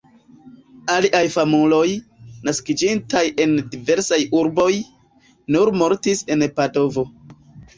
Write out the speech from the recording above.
Aliaj famuloj, naskiĝintaj en diversaj urboj, nur mortis en Padovo.